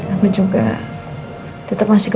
aku juga tetap masih